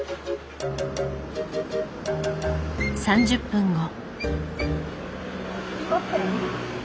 ３０分後。